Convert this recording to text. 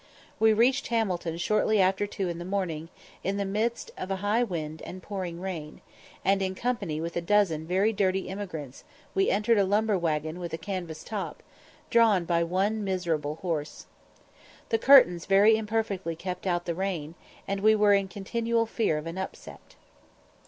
We reached Hamilton shortly after two in the morning, in the midst of a high wind and pouring rain; and in company with a dozen very dirty emigrants we entered a lumber waggon with a canvas top, drawn by one miserable horse. The curtains very imperfectly kept out the rain, and we were in continual fear of an upset.